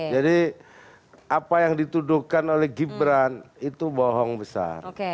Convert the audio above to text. jadi apa yang dituduhkan oleh gibran itu bohong besar